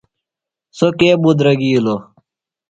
سوۡ کے بُدرَگِیلوۡ؟